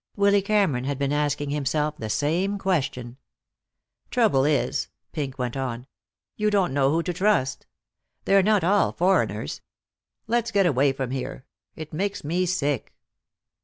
Willy Cameron had been asking himself the same question. "Trouble is," Pink went on, "you don't know who to trust. They're not all foreigners. Let's get away from here; it makes me sick."